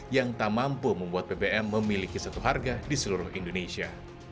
yang tak mampu membuat bbm memiliki satu harga di seluruh indonesia